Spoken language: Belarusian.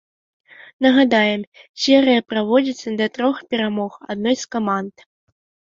Нагадаем, серыя праводзіцца да трох перамог адной з каманд.